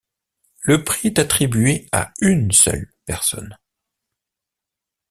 Le prix est attribué à une seule personne.